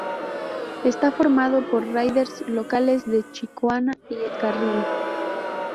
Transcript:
Está formado por riders locales de Chicoana y El Carril.